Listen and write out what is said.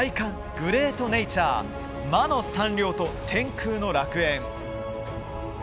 グレートネイチャー魔の山稜と天空の楽園」。